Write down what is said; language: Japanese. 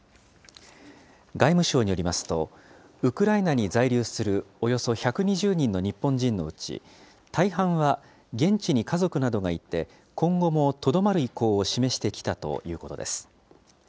外務省によりますと、ウクライナに在留するおよそ１２０人の日本人のうち、大半は現地に家族などがいて、今後もとどまる意向を示してきたということです。